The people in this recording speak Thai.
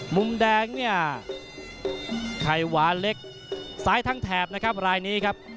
มุมแดงเนี่ยไข่หวานเล็กซ้ายทั้งแถบนะครับรายนี้ครับ